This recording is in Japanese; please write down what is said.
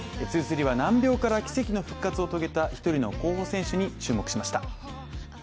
「２３」は難病から季節の復活を遂げた１人の候補選手に注目しました。